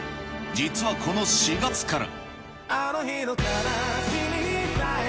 実はこの４月から。